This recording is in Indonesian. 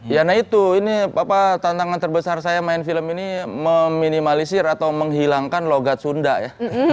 ya nah itu ini tantangan terbesar saya main film ini meminimalisir atau menghilangkan logat sunda ya